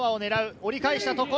切り返したところ。